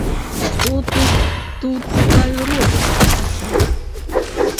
Што ты тут, пытаю, робіш у такі час?